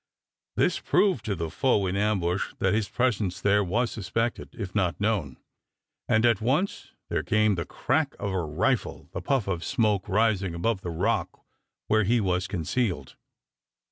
This proved to the foe in ambush that his presence there was suspected, if not known, and at once there came the crack of a rifle, the puff of smoke rising above the rock where he was concealed.